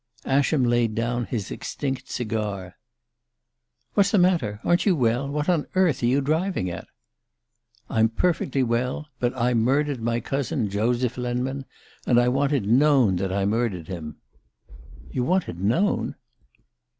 Ascham laid down his extinct cigar. "What's the matter? Aren't you well? What on earth are you driving at?" "I'm perfectly well. But I murdered my cousin, Joseph Lenman, and I want it known that I murdered him." "_You want it known?